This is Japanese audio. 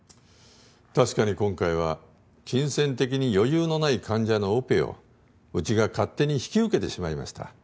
確かに今回は金銭的に余裕のない患者のオペをうちが勝手に引き受けてしまいました。